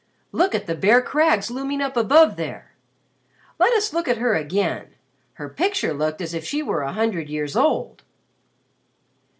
"Look at the bare crags looming up above there. Let us look at her again. Her picture looked as if she were a hundred years old."